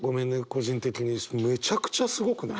個人的にめちゃくちゃすごくない？